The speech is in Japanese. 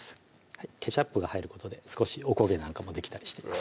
ケチャップが入ることで少しおこげなんかもできたりしてます